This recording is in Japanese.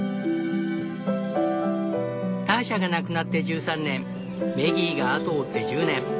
ターシャが亡くなって１３年メギーが後を追って１０年。